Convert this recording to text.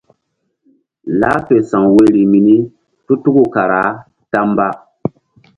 Lah fe sa̧w woyri mini tu tuku kara ta mba.